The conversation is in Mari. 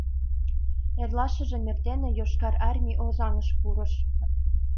Эрлашыжым эрдене Йошкар Армий Озаҥыш пурыш.